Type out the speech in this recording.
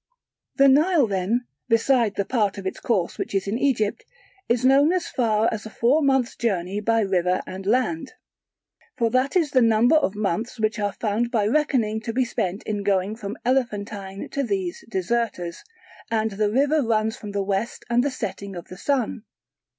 The Nile then, besides the part of its course which is in Egypt, is known as far as a four months' journey by river and land: for that is the number of months which are found by reckoning to be spent in going from Elephantine to these "Deserters": and the river runs from the West and the setting of the sun.